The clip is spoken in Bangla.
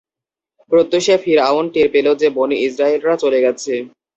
প্রত্যুষে ফিরআউন টের পেল যে, বনী ইসরাঈলরা চলে গেছে।